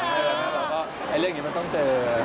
เรื่องนี้มันต้องเจอ